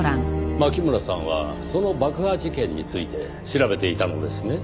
牧村さんはその爆破事件について調べていたのですね？